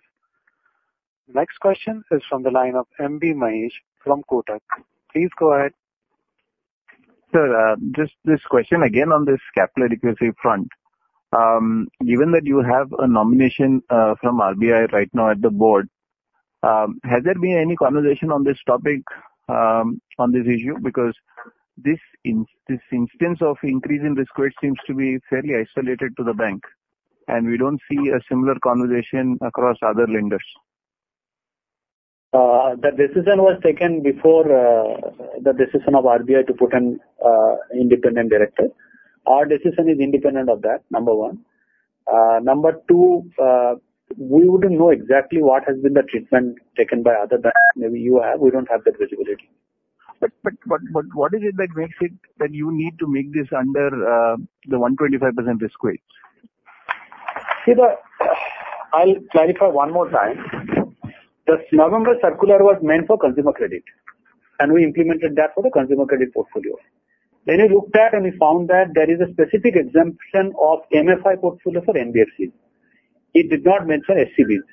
S1: Next question is from the line of M.B. Mahesh from Kotak. Please go ahead.
S11: Sir, just this question again on this capital adequacy front. Given that you have a nomination from RBI right now at the board, has there been any conversation on this topic, on this issue? Because this instance of increasing risk weight seems to be fairly isolated to the bank, and we don't see a similar conversation across other lenders.
S5: The decision was taken before the decision of RBI to put in independent director. Our decision is independent of that, number one. Number two, we wouldn't know exactly what has been the treatment taken by other banks. Maybe you have. We don't have that visibility. But what is it that makes it that you need to make this under the 125% risk weight? I'll clarify one more time. The November circular was meant for consumer credit, and we implemented that for the consumer credit portfolio. Then we looked at and we found that there is a specific exemption of MFI portfolio for NBFC. It did not mention SCBs.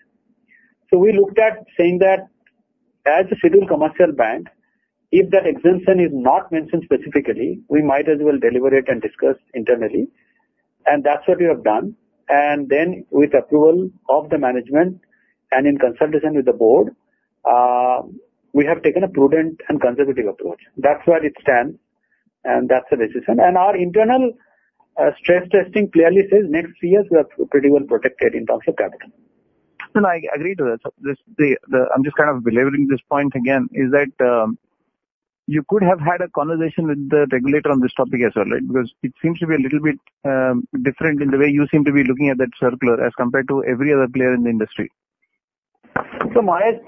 S5: So we looked at saying that as a civil commercial bank, if that exemption is not mentioned specifically, we might as well deliberate and discuss internally. And that's what we have done. And then, with approval of the management and in consultation with the board, we have taken a prudent and conservative approach. That's where it stands, and that's the decision. Our internal stress testing clearly says next three years we are pretty well protected in terms of capital. I agree to that. I'm just kind of belaboring this point again. Is that you could have had a conversation with the regulator on this topic as well, right? Because it seems to be a little bit different in the way you seem to be looking at that circular as compared to every other player in the industry. So Mahesh,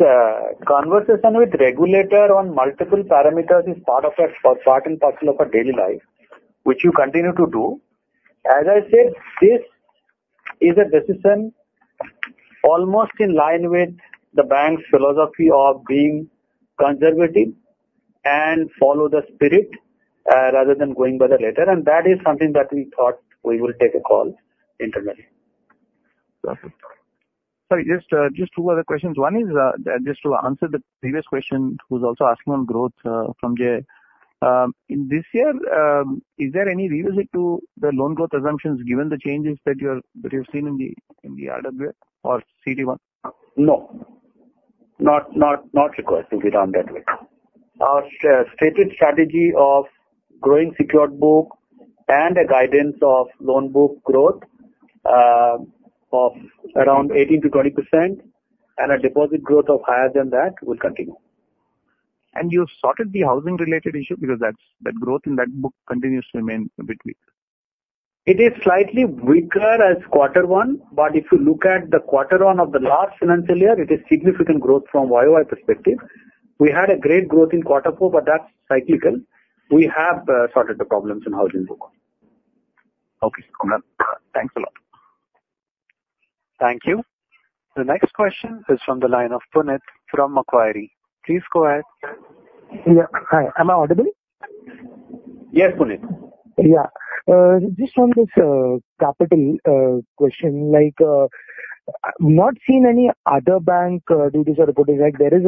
S5: conversation with regulator on multiple parameters is part and parcel of our daily life, which you continue to do. As I said, this is a decision almost in line with the bank's philosophy of being conservative and follow the spirit rather than going by the letter. And that is something that we thought we will take a call internally. Perfect. Sorry, just two other questions. One is just to answer the previous question who's also asking on growth from Jay. This year, is there any revisit to the loan growth assumptions given the changes that you have seen in the RWA or CT1? No. Not request to be done that way. Our stated strategy of growing secured book and a guidance of loan book growth of around 18%-20% and a deposit growth of higher than that will continue. And you've sorted the housing-related issue because that growth in that book continues to remain a bit weak? It is slightly weaker as quarter one. But if you look at the quarter one of the last financial year, it is significant growth from YY perspective. We had a great growth in quarter four, but that's cyclical. We have sorted the problems in housing book. Okay. Thanks a lot. Thank you. The next question is from the line of Punit from Macquarie. Please go ahead. Yeah. Hi. Am I audible? Yes, Punit. Yeah. Just on this capital question, I've not seen any other bank do this reporting. There is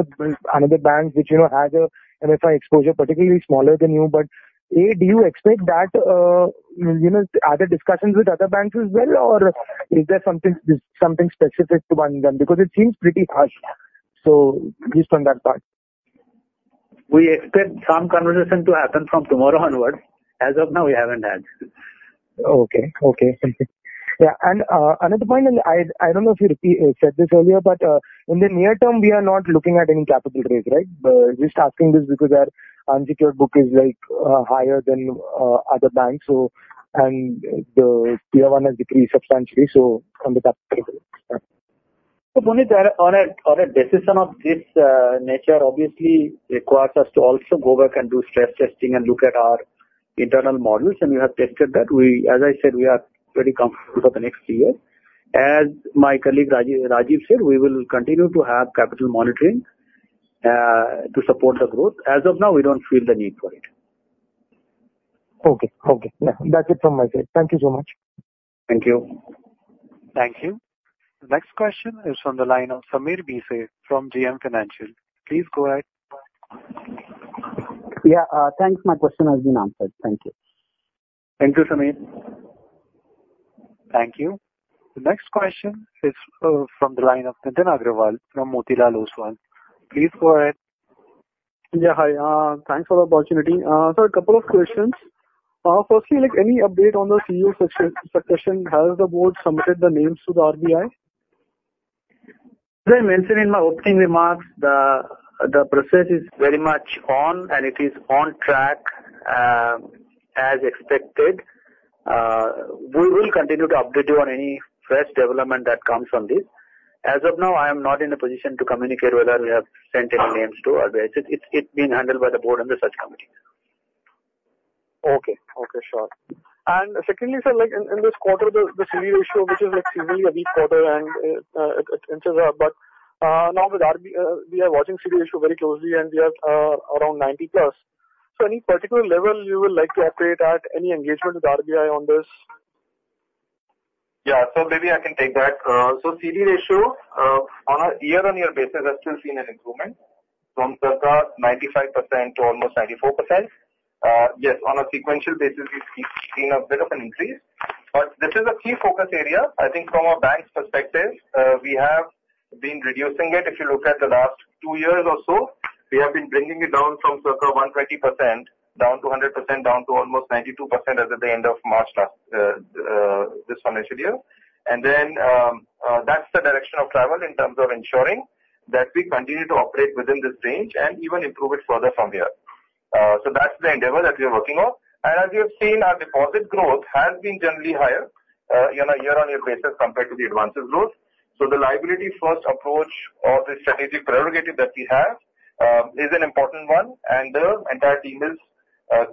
S5: another bank which has an MFI exposure, particularly smaller than you. But do you expect that other discussions with other banks as well, or is there something specific to one of them? Because it seems pretty harsh. So just on that part. We expect some conversation to happen from tomorrow onward. As of now, we haven't had.
S11: Okay. Okay. Thank you.
S5: Yeah. Another point, and I don't know if you said this earlier, but in the near term, we are not looking at any capital raise, right? Just asking this because our unsecured book is higher than other banks, and the Tier 1 has decreased substantially. So on the capital side. So Punit, on a decision of this nature, obviously requires us to also go back and do stress testing and look at our internal models. And we have tested that. As I said, we are pretty comfortable for the next three years. As my colleague Rajeev said, we will continue to have capital monitoring to support the growth. As of now, we don't feel the need for it.
S11: Okay. Okay. That's it from my side. Thank you so much.
S1: Thank you. Thank you. The next question is from the line of Sameer Bhise from JM Financial. Please go ahead.
S12: Yeah. Thanks. My question has been answered. Thank you.
S3: Thank you, Sameer.
S12: Thank you. The next question is from the line of Nitin Aggarwal from Motilal Oswal. Please go ahead. Yeah. Hi. Thanks for the opportunity. So a couple of questions. Firstly, any update on the CEO succession? Has the board submitted the names to the RBI?
S5: As I mentioned in my opening remarks, the process is very much on, and it is on track as expected. We will continue to update you on any fresh development that comes from this. As of now, I am not in a position to communicate whether we have sent any names to RBI. It's been handled by the board and the search committee.
S13: Okay. Okay. Sure. And secondly, sir, in this quarter, the CD ratio, which is usually a weak quarter, and etc., but now we are watching CD ratio very closely, and we have around 90+. So any particular level you would like to operate at? Any engagement with RBI on this?
S5: Yeah. So maybe I can take that. So CD ratio, on a year-on-year basis, I've still seen an improvement from circa 95% to almost 94%. Yes. On a sequential basis, we've seen a bit of an increase. But this is a key focus area. I think from a bank's perspective, we have been reducing it. If you look at the last two years or so, we have been bringing it down from circa 120% down to 100%, down to almost 92% as of the end of March last this financial year. Then that's the direction of travel in terms of ensuring that we continue to operate within this range and even improve it further from here. That's the endeavor that we are working on. As you have seen, our deposit growth has been generally higher on a year-on-year basis compared to the advances growth. The liability-first approach or the strategic prerogative that we have is an important one. The entire team is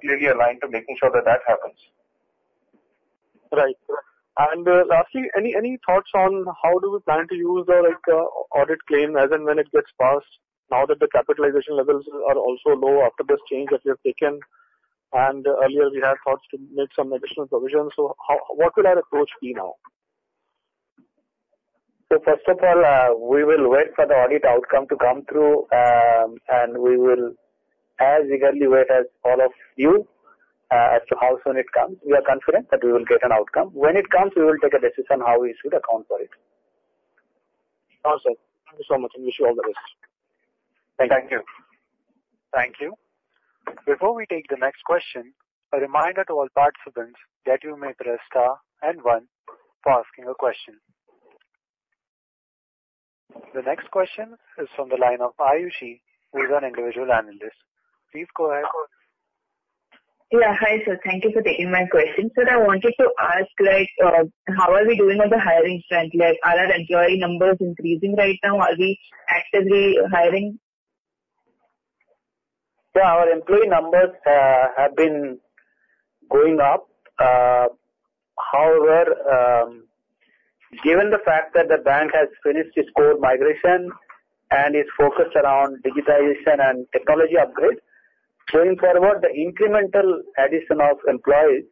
S5: clearly aligned to making sure that that happens. Right.
S13: Lastly, any thoughts on how do we plan to use the audit claim as and when it gets passed now that the capitalization levels are also low after this change that we have taken? Earlier, we had thoughts to make some additional provisions. What would our approach be now?
S5: So first of all, we will wait for the audit outcome to come through, and we will as eagerly wait as all of you as to how soon it comes. We are confident that we will get an outcome. When it comes, we will take a decision on how we should account for it.
S13: All right, sir. Thank you so much, and wish you all the best.
S5: Thank you.
S1: Thank you. Thank you. Before we take the next question, a reminder to all participants that you may press star and one for asking a question. The next question is from the line of Ayushi, who is an individual analyst. Please go ahead.
S14: Yeah. Hi, sir. Thank you for taking my question. Sir, I wanted to ask, how are we doing on the hiring front? Are our employee numbers increasing right now? Are we actively hiring?
S3: Yeah. Our employee numbers have been going up. However, given the fact that the bank has finished its core migration and is focused around digitization and technology upgrade, going forward, the incremental addition of employees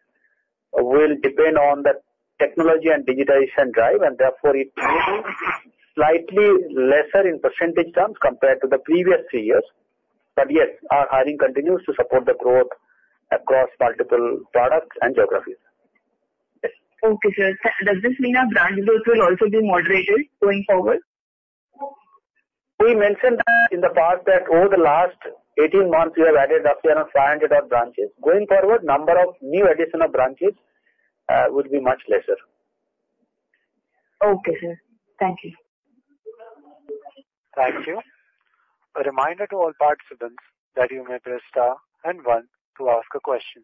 S3: will depend on the technology and digitization drive. Therefore, it may be slightly lesser in percentage terms compared to the previous three years. But yes, our hiring continues to support the growth across multiple products and geographies.
S14: Okay, sir. Does this mean our branch growth will also be moderated going forward?
S5: We mentioned in the past that over the last 18 months, we have added up to around 500-odd branches. Going forward, the number of new additional branches would be much lesser.
S14: Okay, sir. Thank you.
S1: Thank you. A reminder to all participants that you may press star and one to ask a question.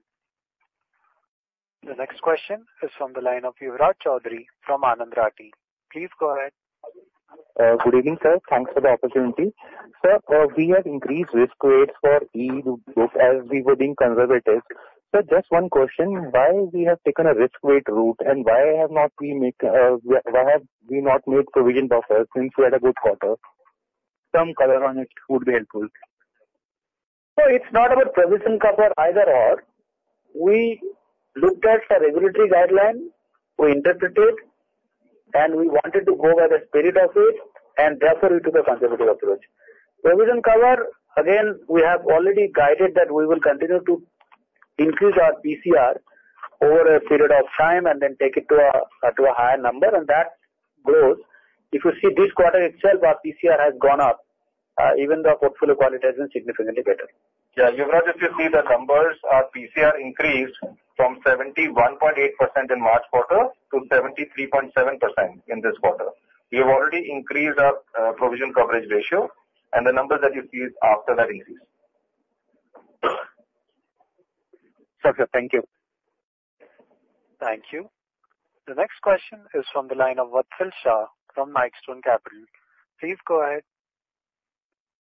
S1: The next question is from the line of Yuvraj Choudhary from Anand Rathi. Please go ahead.
S15: Good evening, sir. Thanks for the opportunity. Sir, we have increased risk weights for EEB book as we were being conservative. Sir, just one question. Why have we taken a risk-weight route, and why have we not made provision buffer since we had a good quarter? Some color on it would be helpful.
S5: So it's not about provision cover either/or. We looked at the regulatory guideline. We interpreted it, and we wanted to go by the spirit of it and adhere to the conservative approach. Provision cover, again, we have already guided that we will continue to increase our PCR over a period of time and then take it to a higher number. And that grows. If you see this quarter itself, our PCR has gone up, even though our portfolio quality has been significantly better. Yeah. You've noticed if you see the numbers, our PCR increased from 71.8% in March quarter to 73.7% in this quarter. We have already increased our provision coverage ratio, and the numbers that you see is after that increase.
S15: Okay. Thank you.
S1: Thank you. The next question is from the line of Vatsal Shah from Nicestone Capital. Please go ahead.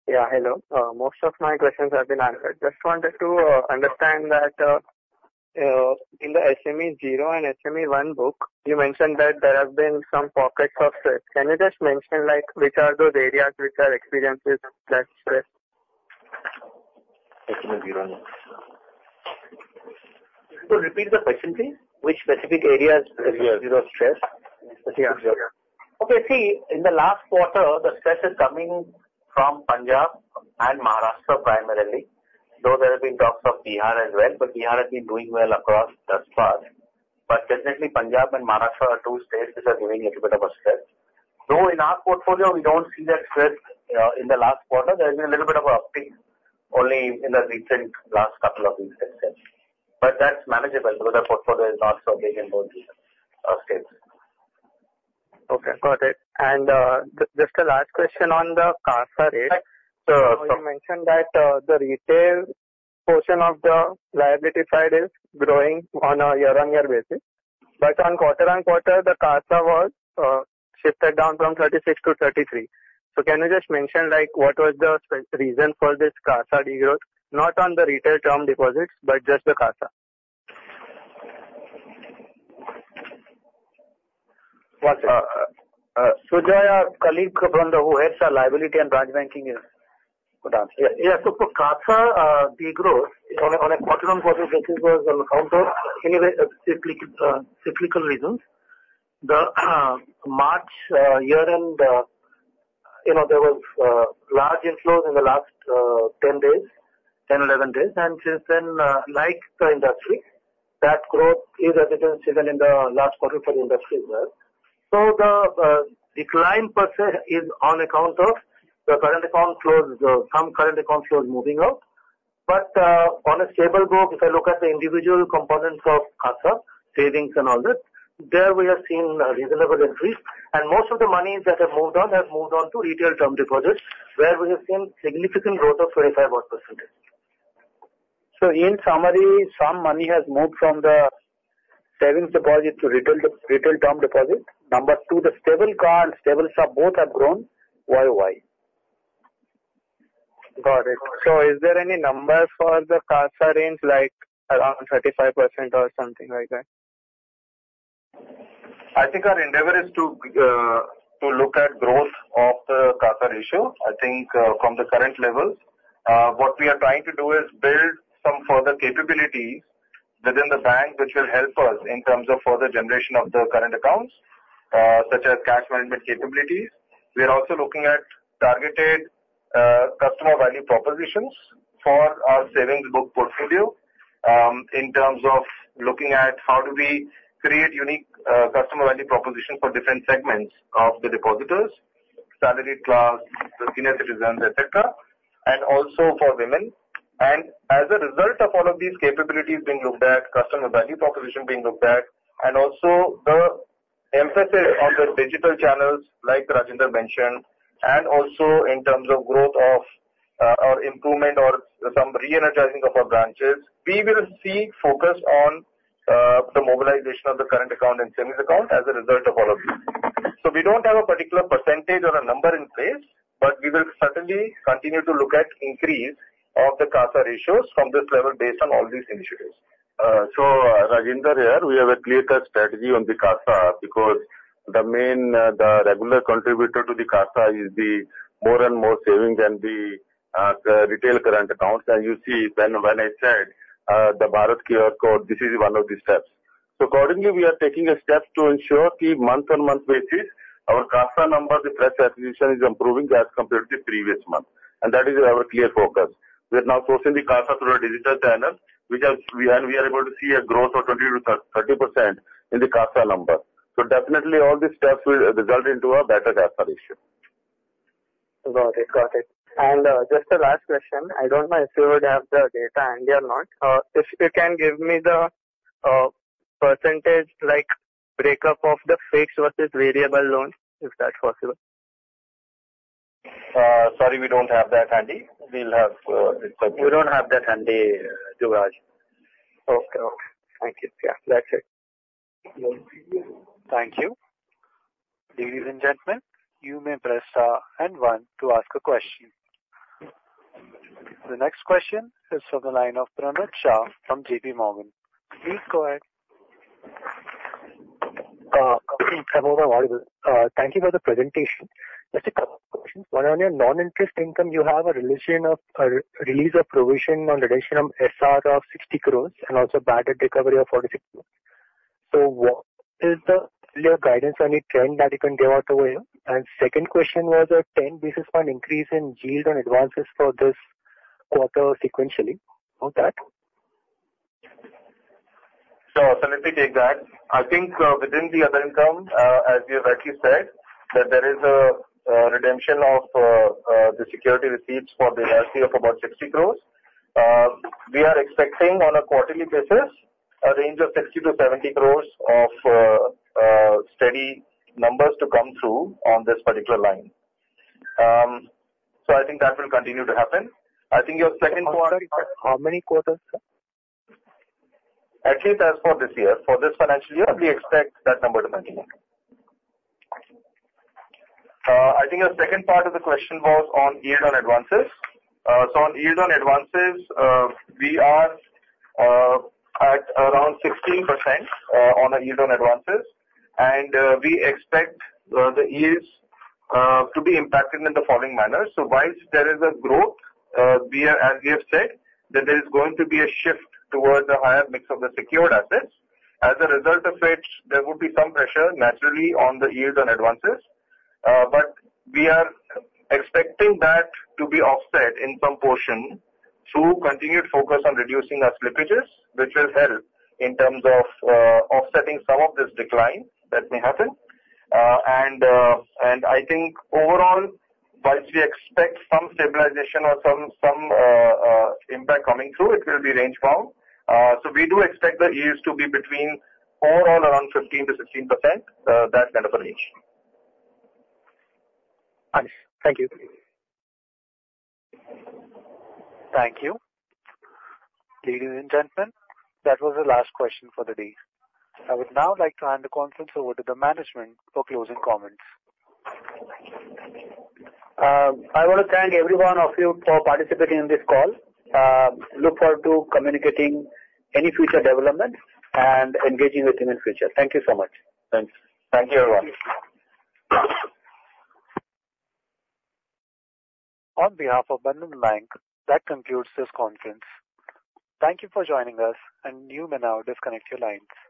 S16: Yeah. Hello. Most of my questions have been answered. Just wanted to understand that in the SMA 0 and SMA 1 book, you mentioned that there have been some pockets of stress. Can you just mention which are those areas which are experiences that stress? SMA 0 and SMA 1.
S5: So repeat the question, please. Which specific areas areas of stress? Yeah. Okay. See, in the last quarter, the stress is coming from Punjab and Maharashtra primarily. Though there have been talks of Bihar as well, but Bihar has been doing well across thus far. But definitely, Punjab and Maharashtra are two states which are giving a little bit of a stress. Though in our portfolio, we don't see that stress in the last quarter. There has been a little bit of an uptick only in the recent last couple of weeks itself. But that's manageable because our portfolio is not so big in both states.
S16: Okay. Got it. And just the last question on the CASA rate. So you mentioned that the retail portion of the liability side is growing on a year-on-year basis. But on quarter-on-quarter, the CASA was shifted down from 36 to 33. So can you just mention what was the reason for this CASA degrowth? Not on the retail term deposits, but just the CASA.
S3: What's it? Sujoy, colleague from the Treasury, Liability and Branch Banking, you could answer.
S4: Yeah. So CASA degrowth on a quarter-on-quarter basis was found to have cyclical reasons. The March year-end, there was large inflows in the last 10 days, 10 days, 11 days. And since then, like the industry, that growth is evident even in the last quarter for the industry as well. So the decline per se is on account of the current account flows, some current account flows moving out. But on a stable book, if I look at the individual components of CASA, savings and all that, there we have seen a reasonable increase. And most of the money that has moved on has moved on to retail term deposits, where we have seen significant growth of 25-odd%. So in summary, some money has moved from the savings deposit to retail term deposit. Number two, the stable CA and stable SA both have grown YoY.
S16: Got it. So is there any number for the CASA range, like around 35% or something like that?
S5: I think our endeavor is to look at growth of the CASA ratio. I think from the current levels, what we are trying to do is build some further capabilities within the bank which will help us in terms of further generation of the current accounts, such as cash management capabilities. We are also looking at targeted customer value propositions for our savings book portfolio in terms of looking at how do we create unique customer value propositions for different segments of the depositors: salaried class, senior citizens, etc., and also for women. As a result of all of these capabilities being looked at, customer value proposition being looked at, and also the emphasis on the digital channels, like Rajinder mentioned, and also in terms of growth or improvement or some re-energizing of our branches, we will see focus on the mobilization of the current account and savings account as a result of all of these. So we don't have a particular percentage or a number in place, but we will certainly continue to look at increase of the CASA ratios from this level based on all these initiatives. So Rajinder here, we have a clear-cut strategy on the CASA because the regular contributor to the CASA is the more and more savings and the retail current accounts. And you see when I said the Bharat QR Code, this is one of the steps. So accordingly, we are taking a step to ensure the month-on-month basis, our CASA number, the proportion is improving as compared to the previous month. And that is our clear focus. We are now sourcing the CASA through a digital channel, and we are able to see a growth of 20%-30% in the CASA number. So definitely, all these steps will result into a better CASA ratio.
S16: Got it. Got it. And just the last question. I don't know if you would have the data handy or not. If you can give me the percentage breakup of the fixed versus variable loans, if that's possible.
S3: Sorry, we don't have that handy. We'll have this question. We don't have that handy, Yuvraj.
S16: Okay. Okay. Thank you. Yeah. That's it.
S1: Thank you. Ladies and gentlemen, you may press star and one to ask a question. The next question is from the line of Pranav Shah from JPMorgan. Please go ahead.
S17: Thank you for the presentation. Just a couple of questions. One on your non-interest income, you have a release of provision on reduction of SR of 60 crore and also bad debt recovery of 46 crore. So what is the earlier guidance on the trend that you can give out over here? And second question was a 10 basis point increase in yield on advances for this quarter sequentially. How's that?
S5: So let me take that. I think within the other income, as you have actually said, that there is a redemption of the security receipts for the ARC of about 60 crore. We are expecting on a quarterly basis, a range of 60 crore-70 crore of steady numbers to come through on this particular line. So I think that will continue to happen.
S17: I think your second quarter is how many quarters, sir?
S5: At least as for this year, for this financial year, we expect that number to continue. I think your second part of the question was on yield on advances. So on yield on advances, we are at around 16% on our yield on advances. And we expect the yields to be impacted in the following manner. So whilst there is a growth, as we have said, that there is going to be a shift towards a higher mix of the secured assets. As a result of it, there would be some pressure naturally on the yield on advances. But we are expecting that to be offset in some portion through continued focus on reducing our slippages, which will help in terms of offsetting some of this decline that may happen. I think overall, while we expect some stabilization or some impact coming through, it will be range-bound. We do expect the yields to be between overall around 15%-16%, that kind of a range.
S17: Thank you.
S1: Thank you. Ladies and gentlemen, that was the last question for the day. I would now like to hand the conference over to the management for closing comments.
S2: I want to thank every one of you for participating in this call. Look forward to communicating any future developments and engaging with you in the future. Thank you so much.
S3: Thank you.
S2: Thank you, everyone.
S1: On behalf of Bandhan Bank, that concludes this conference. Thank you for joining us, and you may now disconnect your lines.